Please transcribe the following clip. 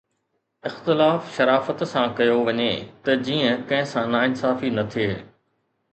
اختلاف شرافت سان ڪيو وڃي ته جيئن ڪنهن سان ناانصافي نه ٿئي.